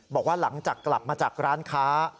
บอกว่าหลังจากกลับมาจากร้านค้า